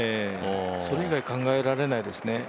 それ以外考えられないですね。